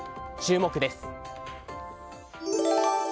注目です。